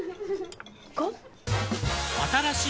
５？